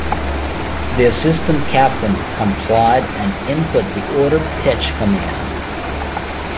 The assistant captain complied and input the ordered pitch command.